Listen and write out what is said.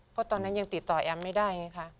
เพราะตอนนั้นยังติดต่อแอมไม่ได้ไงคะ